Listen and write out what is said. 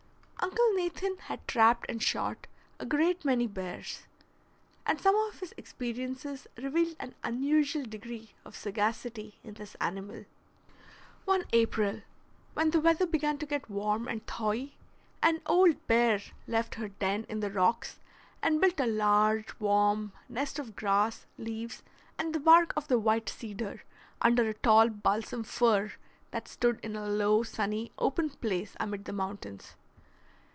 Uncle Nathan had trapped and shot a great many bears, and some of his experiences revealed an unusual degree of sagacity in this animal. One April, when the weather began to get warm and thawy, an old bear left her den in the rocks and built a large, warm nest of grass, leaves, and the bark of the white cedar, under a tall balsam fir that stood in a low, sunny, open place amid the mountains.